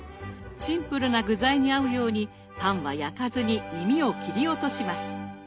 シンプルな具材に合うようにパンは焼かずにみみを切り落とします。